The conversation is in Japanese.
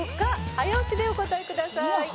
「早押しでお答えください」